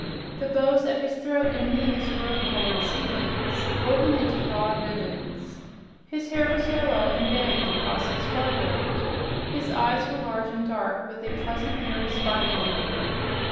The bows at his throat and knees were of colored seaweeds, woven into broad ribbons. His hair was yellow and banged across his forehead. His eyes were large and dark, with a pleasant, merry sparkle in them.